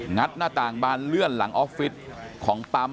ัดหน้าต่างบานเลื่อนหลังออฟฟิศของปั๊ม